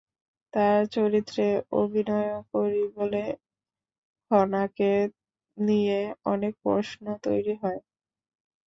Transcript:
তাঁর চরিত্রে অভিনয়ও করি বলে, খনাকে নিয়ে অনেক প্রশ্ন তৈরি হয়।